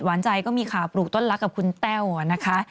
หวานใจก็มีข่าวปลูกต้นรักกับคุณแต้วนะคะ